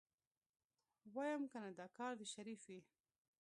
ويم که دا کار د شريف وي.